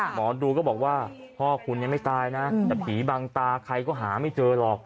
หมอดูก็บอกว่าพ่อคุณยังไม่ตายนะแต่ผีบังตาใครก็หาไม่เจอหรอก